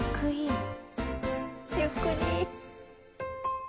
ゆっくり。